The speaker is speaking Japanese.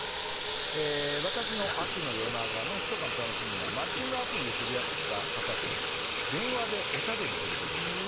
私の秋の夜長のひそかな楽しみはマッチングアプリで知り合った方と電話でおしゃべりすることです。